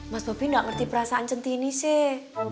mas bobi nggak ngerti perasaan centini sih